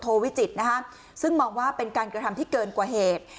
วิจิตรนะคะซึ่งมองว่าเป็นการกระทำที่เกินกว่าเหตุ